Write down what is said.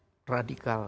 kemudian direkrut di bawah